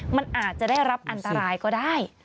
มันอาจจะได้รับอันตรายก็ได้